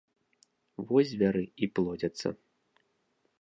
Вось звяры і плодзяцца.